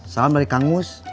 salam dari kang mus